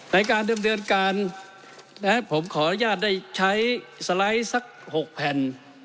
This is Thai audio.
ในการดำเนินการผมขออนุญาตได้ใช้สไลด์สัก๖แผ่น